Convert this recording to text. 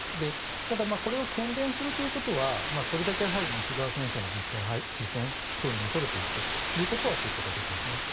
ただこれを喧伝するということはそれだけ西側諸国の実戦配備を恐れているということは推測はできます。